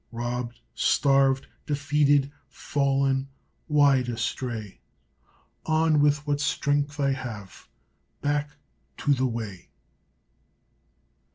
Robbed, starved, defeated, fallen, wide astray On, with what strength I have! Back to the way!